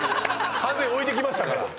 完全に置いてきましたから。